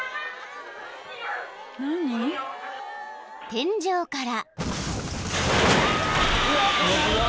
［天井から］